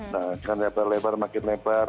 nah kan lebar lebar makin lebar